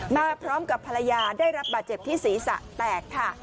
มาพร้อมกับภรรยาได้รับบาดเจ็บที่ศีรษะแตกค่ะ